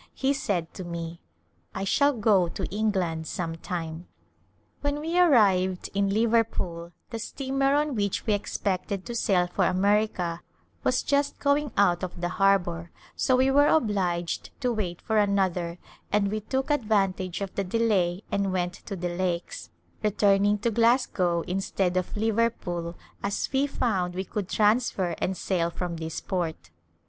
He said to me, " I shall go to England some time." When we arrived in Liverpool the steamer on which we expected to sail for America was just going out of the harbor, so we were obliged to wait for an other, and we took advantage of the delay and went to the Lakes, returning to Glasgow instead of Liver pool, as we found we could transfer and sail from this port.